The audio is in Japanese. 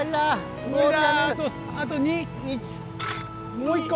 もう１個。